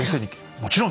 もちろん！